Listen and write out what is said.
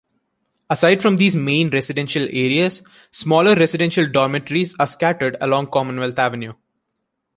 Aside from these main residential areas, smaller residential dormitories are scattered along Commonwealth Avenue.